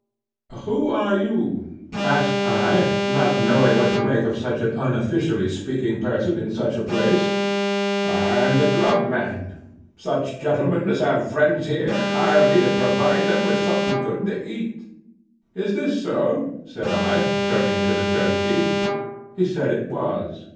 "Who are you?" asked I, not knowing what to make of such an unofficially speaking person in such a place. "I am the grub man. Such gentlemen as have friends here, hire me to provide them with something good to eat." "Is this so?" said I, turning to the turnkey. He said it was.